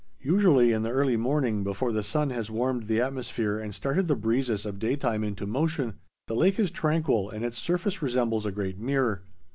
Usually in the early morning, before the sun has warmed the atmosphere and started the breezes of daytime into motion, the lake is tranquil and its surface resembles a great mirror.